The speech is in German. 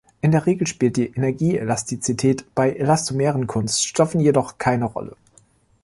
In der Regel spielt die Energie-Elastizität bei elastomeren Kunststoffen jedoch keine Rolle.